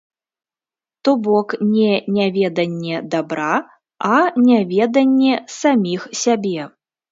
То бок не няведанне дабра, а няведанне саміх сябе.